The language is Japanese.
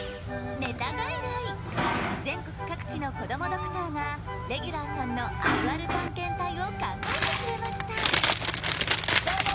全国各地のこどもドクターがレギュラーさんのあるある探検隊を考えてくれましたどうも！